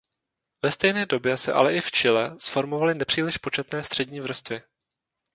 Ve stejné době se ale i v Chile zformovaly nepříliš početné střední vrstvy.